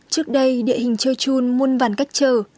trước đây địa hình chơi chun muôn vàn cách chờ